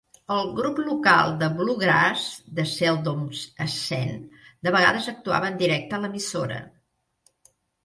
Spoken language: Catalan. El grup local de bluegrass The Seldom Scene de vegades actuava en directe a l'emissora.